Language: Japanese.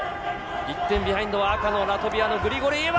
１点ビハインドは赤のラトビアのグリゴルイエワ。